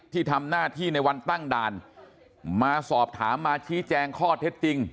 ที่ทำหน้าที่ในวันตั้งด่านมาสอบถามมาชี้แจงข้อเท็จจริง